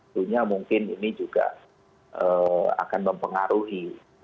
tentunya mungkin ini juga akan mempengaruhi